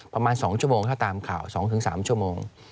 ประมาณสองชั่วโมงถ้าตามข่าวสองถึงสามชั่วโมง